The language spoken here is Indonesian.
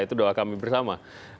itu doa kami bersama